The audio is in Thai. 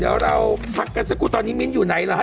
เดี๋ยวเราพักกันสักครู่ตอนนี้มิ้นอยู่ไหนล่ะฮะ